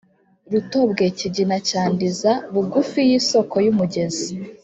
rutobwe, kigina cya ndiza bugufi y'isoko y'umugezi